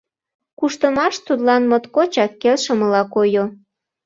Куштымаш тудлан моткочак келшымыла койо.